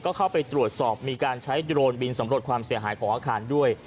ก็เข้าไปตรวจสอบมีการใช้โดรนบินสำรวจความเสียหายของอาคารด้วย